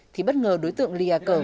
thì bất ngờ đối tượng ly a cở